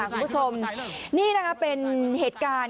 คุณผู้ชมนี่นะคะเป็นเหตุการณ์